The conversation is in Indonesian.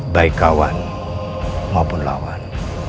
baik kawan maupun lawan